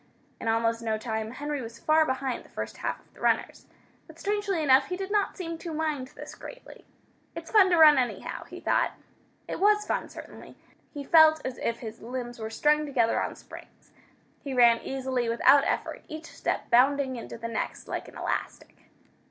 In almost no time, Henry was far behind the first half of the runners. But strangely enough, he did not seem to mind this greatly. "It's fun to run, anyhow," he thought. It was fun, certainly. He felt as if his limbs were strung together on springs. He ran easily, without effort, each step bounding into the next like an elastic.